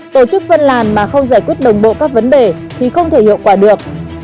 tổ chức phân làn mà không giải quyết đồng bộ các vấn đề thì không thể hiệu quả được